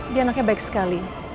dia anaknya baik sekali